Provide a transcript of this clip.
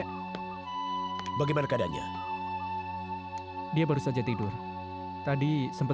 terima kasih isu kita